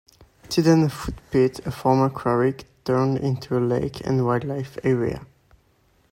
Tiddenfoot Pit, a former quarry, turned into a lake and wildlife area.